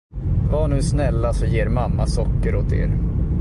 Var nu snälla, så ger mamma socker åt er.